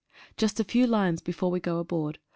UST a few lines before we go aboard.